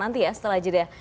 nanti ya setelah jadinya